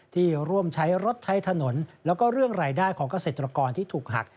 ที่ร่วมใช้รถใช้ถนนแล้วก็เรื่องรายได้ของเกษตรกรที่ถูกหัก